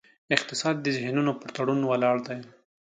اقتصاد د ذهنونو پر تړون ولاړ دی.